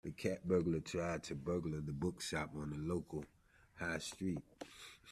The cat burglar tried to burgle the bookshop on the local High Street